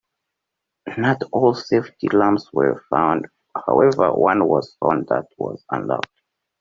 Not all the safety lamps were found, however one was found that was unlocked.